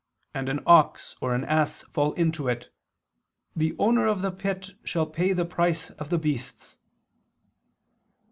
. and an ox or an ass fall into it, the owner of the pit shall pay the price of the beasts."